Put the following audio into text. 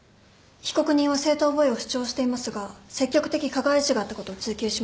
被告人は正当防衛を主張していますが積極的加害意思があったことを追及します。